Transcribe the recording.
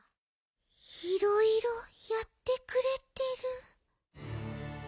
「いろいろやってくれてる」。